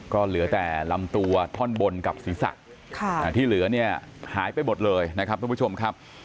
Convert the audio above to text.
ก็เหลือแต่ลำตัวท่อนบนกับศีรษะที่เหลือเนี่ยหายไปหมดเลยนะครับทุกผู้ชมครับ